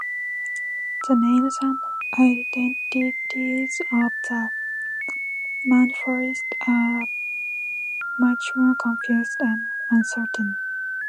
The names and identities of the Montforists are much more confused and uncertain.